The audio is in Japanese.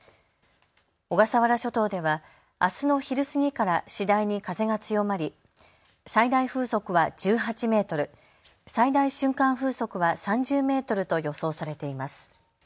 小笠原諸島ではあすの昼過ぎから次第に風が強まり最大風速は１８メートル、最大瞬間風速は３０メートルと予想されています。